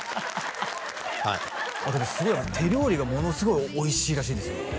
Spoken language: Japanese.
はいあとね手料理がものすごいおいしいらしいんですよ